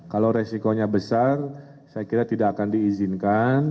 kalau resikonya besar saya kira tidak akan diizinkan